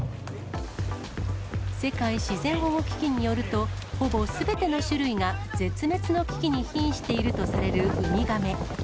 世界自然保護基金によると、ほぼすべての種類が絶滅の危機にひんしているとされるウミガメ。